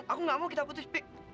aku nggak mau kita putus pi